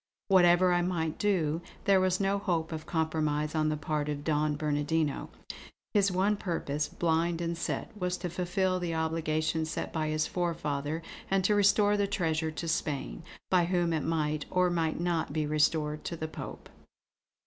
Whatever I might do, there was no hope of compromise on the part of Don Bernardino. His one purpose, blind and set, was to fulfill the obligation set by his forefather and to restore the treasure to Spain, by whom it might or might not be restored to the Pope.